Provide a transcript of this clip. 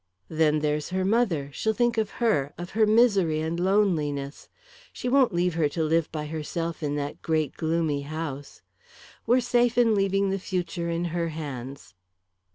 Then there's her mother she'll think of her of her misery and loneliness. She won't leave her to live by herself in that great, gloomy house. We're safe in leaving the future in her hands."